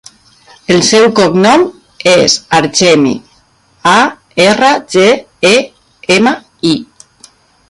El seu cognom és Argemi: a, erra, ge, e, ema, i.